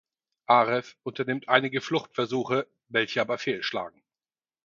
Arif unternimmt einige Fluchtversuche, welche aber fehl schlagen.